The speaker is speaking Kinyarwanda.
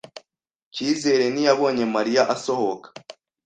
Cyizere ntiyabonye Mariya asohoka.